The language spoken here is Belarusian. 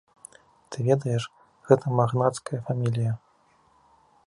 Ты ведаеш, гэта магнацкая фамілія.